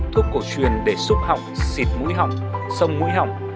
thuốc cổ truyền để xúc hỏng xịt mũi hỏng xông mũi hỏng